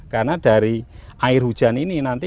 karena dari air hujan ini nanti